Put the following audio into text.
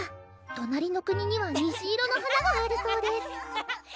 「隣の国には虹色の花があるそうです」